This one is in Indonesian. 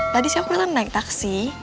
tadi sih aku pulang naik taksi